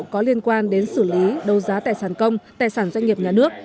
có liên quan đến xử lý đấu giá tài sản công tài sản doanh nghiệp nhà nước